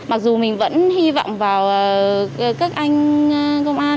mặc dù mình vẫn hy vọng vào các anh công an